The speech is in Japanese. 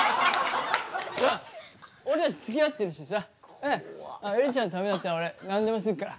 俺たちつきあってるしさエリちゃんのためだったら俺何でもするから。